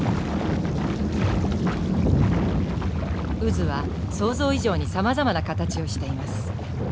渦は想像以上にさまざまな形をしています。